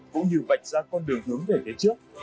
cũng như vạch ra con đường hướng về phía trước